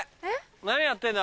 何やってんだ？